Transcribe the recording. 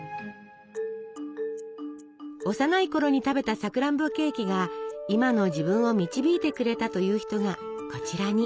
幼いころに食べたさくらんぼケーキが今の自分を導いてくれたという人がこちらに。